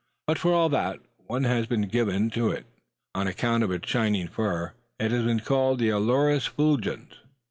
But for all that, one has been given to it. On account of its shining coat, it has been called the ailurus fulgens.